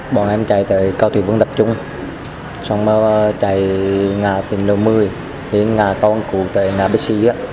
bọn em chạy tới cao thủy vương tập trung xong rồi chạy ngã tỉnh lô mươi đến ngã con cụ tại ngã bích xí